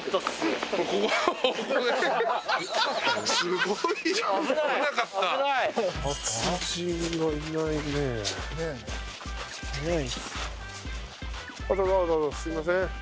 すいません。